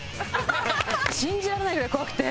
信じられないぐらい怖くて。